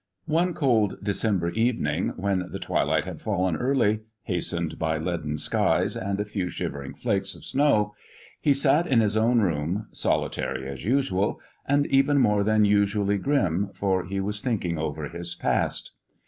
One cold December evening, when the twilight had fallen early, hastened by leaden skies and a few shivering flakes of snow, he sat in his own room, solitary as usual, and even more than usually grim, for he was thinking over his past.